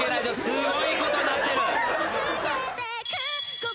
すごいことになってる。